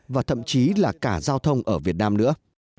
và thậm chí là cả giao thông ở việt nam nữa